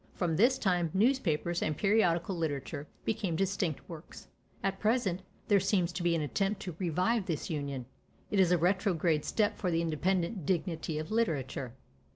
From this time, newspapers and periodical literature became distinct works at present, there seems to be an attempt to revive this union; it is a retrograde step for the independent dignity of literature.